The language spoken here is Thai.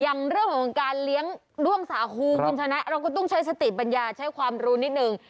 อย่างเรื่องของการเลี้ยงด้วงสาคูคุณชนะเราก็ต้องใช้สติปัญญาใช้ความรู้นิดนึง